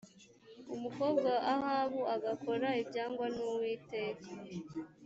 umukobwa wa ahabu agakora ibyangwa n’uwiteka